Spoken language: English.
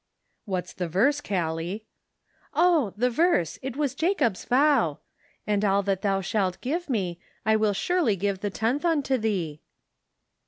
"What's the verse, Gallic ?"" Oh the verse, it was Jacob's vow :" And of all that , thou shalt give me, I will surely give the tenth unto thee.'